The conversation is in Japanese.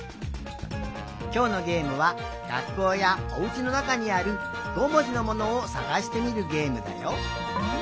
きょうのゲームはがっこうやおうちのなかにある５もじのものをさがしてみるゲームだよ。